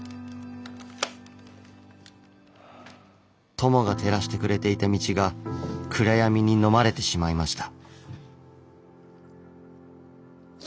友が照らしてくれていた道が暗闇にのまれてしまいました。